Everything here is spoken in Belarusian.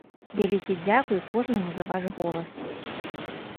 Вялікі дзякуй кожнаму за ваш голас.